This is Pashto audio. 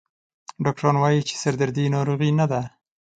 ډاکټران وایي چې سردردي ناروغي نه ده.